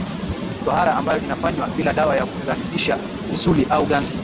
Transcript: Tohara ambayo inafanywa bila dawa ya kugandisha misuli au ganzi